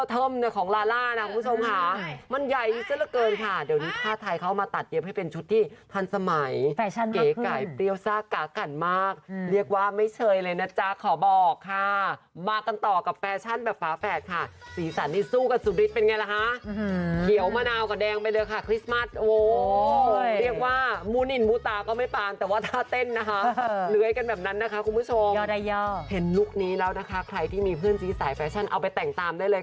เต๋ยของลาลานะคุณผู้ชมค่ะมันใหญ่เสียละเกินค่ะเดี๋ยวนี้ถ้าทำมาตัดเตรียมให้เป็นชุดที่ทันสมัยเก๋ไก่ปริโยชน์ทรากะกันมากเรียกว่าไม่เฉยเลยนะจ้ะขอบอกค่ะมากันต่อกับแฟชั่นแบบฝาแฝดค่ะสีสันนี่สู้กันสุดฤทธิ์เป็นไงล่ะฮะเขียวมะนาวกับแดงไปเลยค่ะคริสต์